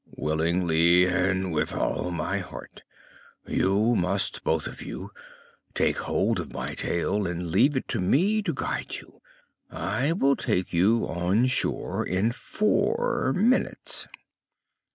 "Willingly and with all my heart. You must, both of you, take hold of my tail and leave it to me to guide you. I will take you on shore in four minutes."